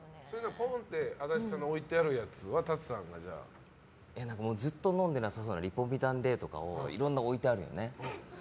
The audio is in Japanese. ポンと足立さんが置いてあるやつをずっと飲んでなさそうなリポビタンＤとかいろんな、置いてあるよね。